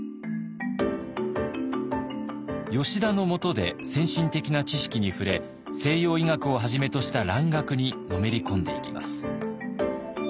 吉田のもとで先進的な知識に触れ西洋医学をはじめとした蘭学にのめり込んでいきます。